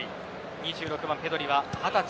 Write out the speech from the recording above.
２６番、ペドリは二十歳。